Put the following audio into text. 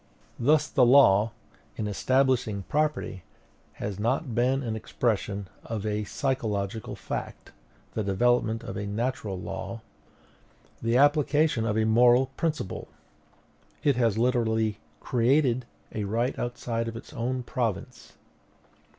Thus the law, in establishing property, has not been the expression of a psychological fact, the development of a natural law, the application of a moral principle. It has literally CREATED a right outside of its own province.